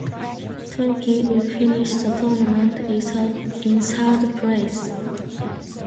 Turkey would finish the tournament in third place.